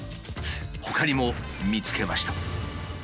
ほかにも見つけました。